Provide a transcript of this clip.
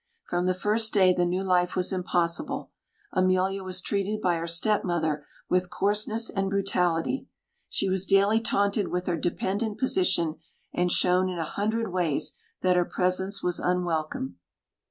From the first day the new life was impossible. Emilia was treated by her stepmother with coarseness and brutality; she was daily taunted with her dependent position, and shown in a hundred ways that her presence was unwelcome.